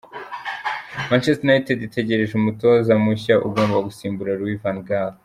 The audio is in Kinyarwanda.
Manchetser United itegereje umutoza mushya ugomba gusimbura Louis Van Gaal.